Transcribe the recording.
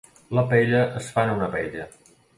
La paella es fa en una paella.